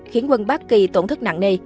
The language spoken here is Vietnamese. khiến quân bác kỳ tổn thức nặng nề